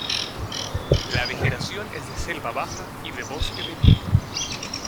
La vegetación es de selva baja y de bosque de pino.